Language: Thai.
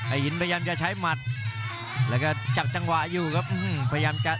ไอ้หินพยายามจะใช้หมัด